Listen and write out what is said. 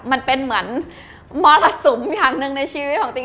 มันเป็นเหมือนมรสุมอย่างหนึ่งในชีวิตของติ๊ก